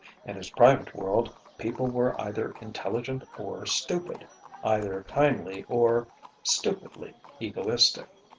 In his private world people were either intelligent or stupid, either kindly or (stupidly) egoistic.